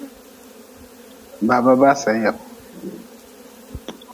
Baba ba sen yaku.